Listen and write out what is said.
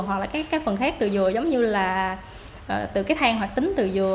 hoặc là các phần khác từ dừa giống như là từ cái thang hoặc tính từ dừa